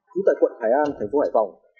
cứu tại quận hải an thành phố hải phòng